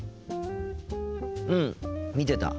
うん見てた。